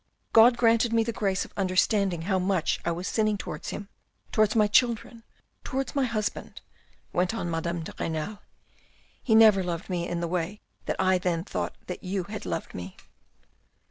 " God granted me the grace of understanding how much I was sinning towards Him, towards my children, towards my husband," went on Madame de Renal. " He never loved me in the way that I then thought that you had loved me."